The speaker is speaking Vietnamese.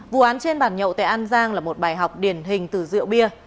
vụ án trên bàn nhậu tại an giang là một bài học điển hình từ rượu bia